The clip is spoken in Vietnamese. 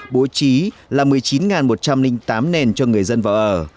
bố trí là một mươi chín một trăm linh tám nền cho người dân vào ở